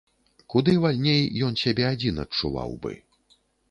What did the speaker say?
Куды вальней ён сябе адзін адчуваў бы.